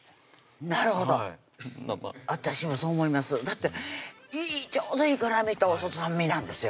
なるほど私もそう思いますだっていいちょうどいい辛みと酸味なんですよ